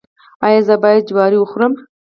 ایا زه باید جوار وخورم؟